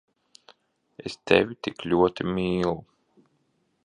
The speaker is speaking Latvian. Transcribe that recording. Es tevi tik ļoti mīlu…